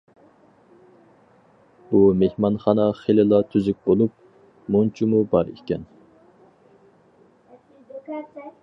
بۇ مېھمانخانا خېلىلا تۈزۈك بولۇپ، مۇنچىمۇ بار ئىكەن.